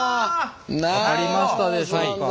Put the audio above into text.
分かりましたでしょうか？